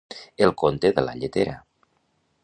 El conte de la lletera.